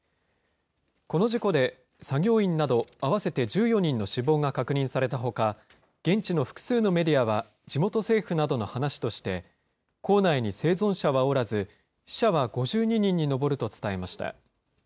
この事故で、作業員など合わせて１４人の死亡が確認されたほか、現地の複数のメディアは、地元政府などの話として、坑内に生存者はおらず、死者は５２人に上ると伝えました。